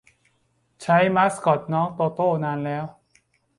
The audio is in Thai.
ใช้มาสคอต น้องโตโต้ นานแล้ว